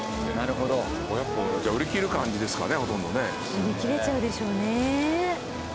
売り切れちゃうでしょうね。